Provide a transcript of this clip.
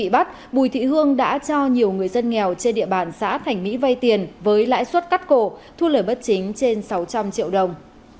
bùi thị hương đã cho nhiều người dân nghèo trên địa bàn xã thành mỹ vay tiền với lãi suất cắt cổ thu lời bất chính trên sáu trăm linh triệu đồng